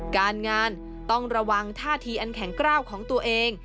การงานต้องระวังท่าทีอันแข็งกล้าวของตัวเอง